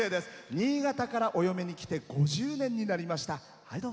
新潟からお嫁にきて５０年になりました。